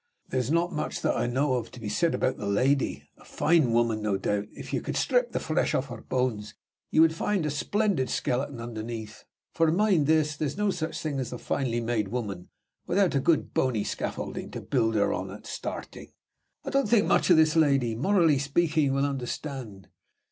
"There's not much that I know of to be said about the lady. A fine woman, no doubt. If you could strip the flesh off her bones, you would find a splendid skeleton underneath. For, mind this! there's no such thing as a finely made woman without a good bony scaffolding to build her on at starting. I don't think much of this lady morally speaking, you will understand.